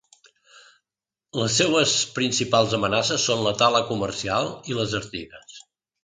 Les seues principals amenaces són la tala comercial i les artigues.